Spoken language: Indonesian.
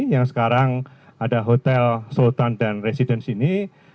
yang sekarang ada hotel sultan dan residence ini